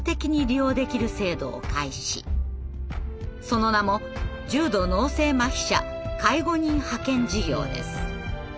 その名も「重度脳性麻痺者介護人派遣事業」です。